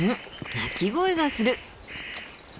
鳴き声がする。